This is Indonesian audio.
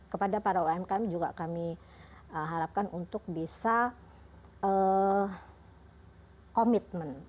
kepada para umkm juga kami harapkan untuk bisa komitmen